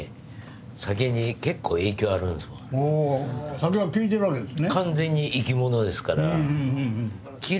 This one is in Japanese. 酒は聞いてるわけですね。